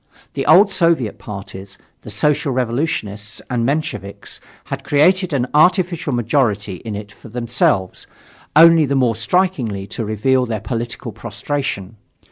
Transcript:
The old Soviet parties, the Social Revolutionists and the Mensheviks, had created an artificial majority in it for themselves, only the more strikingly to reveal their political prostration.